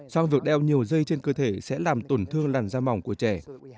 song vượt đeo nhiều dây trên cơ thể sẽ làm tổn thương làn da mỏng của trẻ